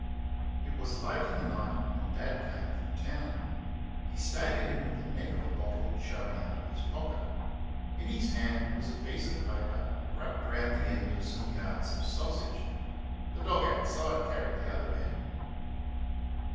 It was late in the night when Dad came from town. He staggered in with the neck of a bottle showing out of his pocket. In his hand was a piece of paper wrapped round the end of some yards of sausage. The dog outside carried the other end.